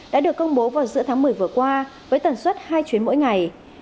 đã được công bố vào giữa tháng một mươi vừa qua với tần suất hai chuyến mỗi ngày